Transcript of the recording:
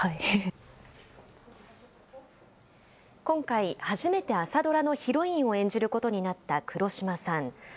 今回、初めて朝ドラのヒロインを演じることになった黒島さん。